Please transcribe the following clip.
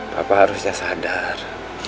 papa harusnya sadar